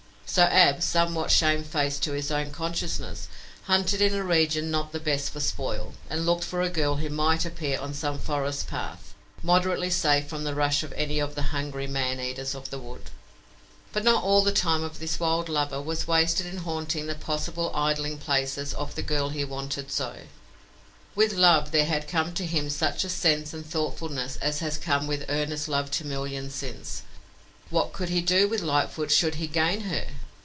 So Ab, somewhat shamefaced to his own consciousness, hunted in a region not the best for spoil, and looked for a girl who might appear on some forest path, moderately safe from the rush of any of the hungry man eaters of the wood. But not all the time of this wild lover was wasted in haunting the possible idling places of the girl he wanted so. With love there had come to him such sense and thoughtfulness as has come with earnest love to millions since. What could he do with Lightfoot should he gain her?